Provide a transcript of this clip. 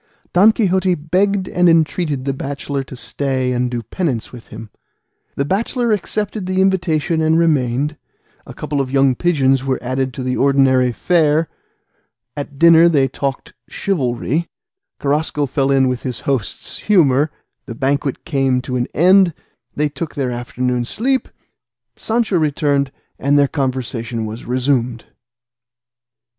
Don Quixote begged and entreated the bachelor to stay and do penance with him. The bachelor accepted the invitation and remained, a couple of young pigeons were added to the ordinary fare, at dinner they talked chivalry, Carrasco fell in with his host's humour, the banquet came to an end, they took their afternoon sleep, Sancho returned, and their conversation was resumed.